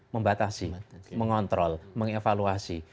membatasi mengontrol mengevaluasi